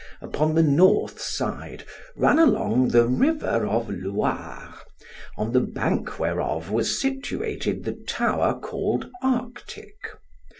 Upon the north side ran along the river of Loire, on the bank whereof was situated the tower called Arctic.